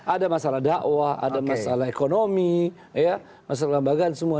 ada masalah dakwah ada masalah ekonomi masalah kelembagaan semua